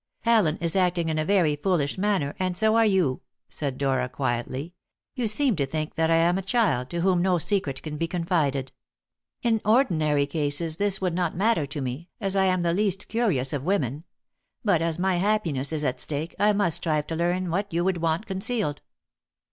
"Allen is acting in a very foolish manner, and so are you," said Dora quietly; "you seem to think that I am a child, to whom no secret can be confided. In ordinary cases, this would not matter to me, as I am the least curious of women. But as my happiness is at stake, I must strive to learn what you would want concealed."